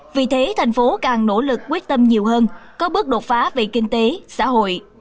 vì thế thành phố càng nỗ lực quyết tâm nhiều hơn có bước đột phá về kinh tế xã hội